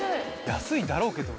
安いだろうけど。